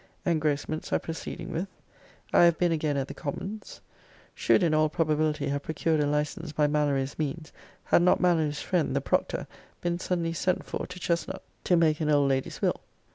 Engrossments are proceeding with. I have been again at the Commons. Should in all probability have procured a license by Mallory's means, had not Mallory's friend, the proctor, been suddenly sent for to Chestnut, to make an old lady's will.